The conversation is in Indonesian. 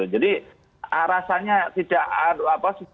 jadi rasanya tidak ada apa apa